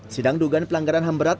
sidang dugaan pelanggaran hamberat